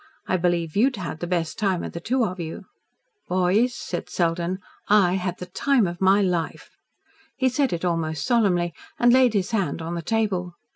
I believed you'd had the best time of the two of you." "Boys," said Selden, "I had the time of my life." He said it almost solemnly, and laid his hand on the table.